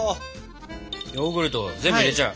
ヨーグルト全部入れちゃう？